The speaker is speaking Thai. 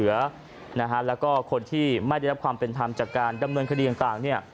เป็นความเป็นทำจากการดำเนินคดีอย่างต่างเนี่ย